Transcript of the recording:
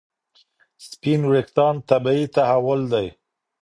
سپین وریښتان طبیعي تحول دی.